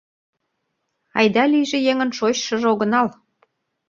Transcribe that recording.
Айда-лийже еҥын шочшыжо огынал